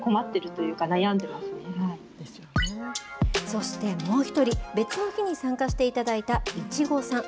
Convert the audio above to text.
そして、もう１人、別の日に参加していただいたいちごさん。